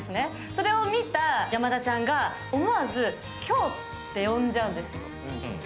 それを見た山田ちゃんが、思わず「きょう」って呼んじゃうんです。